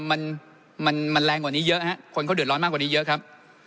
มันมันแรงกว่านี้เยอะฮะคนเขาเดือดร้อนมากกว่านี้เยอะครับ